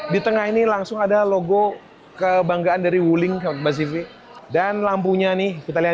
di tengah ini langsung ada logo kebanggaan dari wuling mbak sivi dan lampunya nih kita lihat